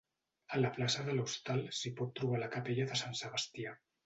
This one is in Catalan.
A la plaça de l'Hostal s'hi pot trobar la capella de Sant Sebastià.